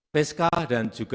fiskal dan juga